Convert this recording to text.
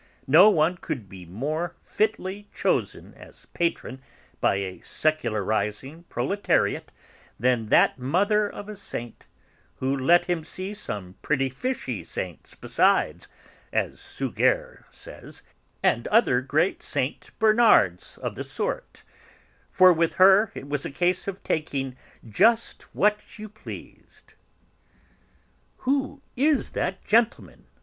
No one could be more fitly chosen as Patron by a secularising proletariat than that mother of a Saint, who let him see some pretty fishy saints besides, as Suger says, and other great St. Bernards of the sort; for with her it was a case of taking just what you pleased." "Who is that gentleman?"